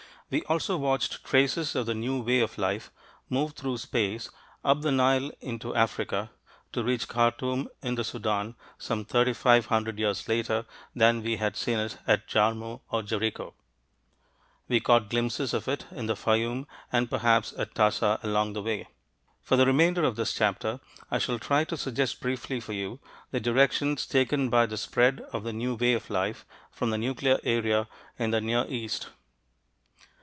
We also watched traces of the new way of life move through space up the Nile into Africa, to reach Khartoum in the Sudan some thirty five hundred years later than we had seen it at Jarmo or Jericho. We caught glimpses of it in the Fayum and perhaps at Tasa along the way. For the remainder of this chapter, I shall try to suggest briefly for you the directions taken by the spread of the new way of life from the nuclear area in the Near East.